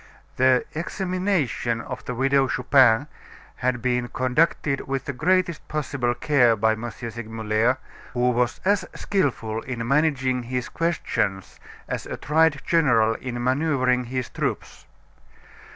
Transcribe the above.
The examination of the Widow Chupin had been conducted with the greatest possible care by M. Segmuller, who was as skilful in managing his questions as a tried general in maneuvering his troops.